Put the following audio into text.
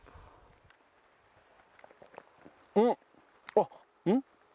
あっうん？